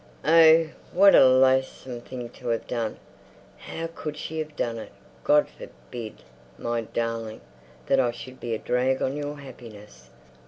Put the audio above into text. Oh, what a loathsome thing to have done. How could she have done it! _God forbid, my darling, that I should be a drag on your happiness.